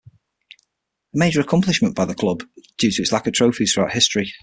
A major accomplishment by the club due to its lack of trophies throughout history.